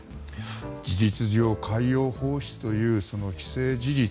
事実上海洋放出という既成事実